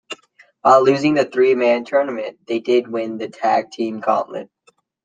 While losing the three-man tournament they did win the Tag Team gauntlet.